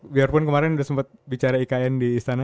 biarpun kemarin udah sempat bicara ikn di istana